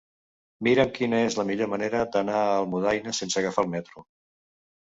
Mira'm quina és la millor manera d'anar a Almudaina sense agafar el metro.